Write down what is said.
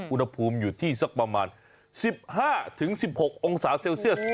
อุณหภูมิอยู่ที่สักประมาณ๑๕๑๖องศาเซลเซียส